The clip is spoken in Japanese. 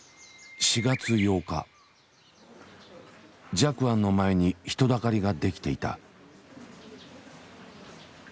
寂庵の前に人だかりが出来ていた。